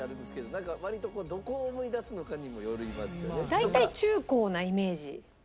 大体中・高なイメージ。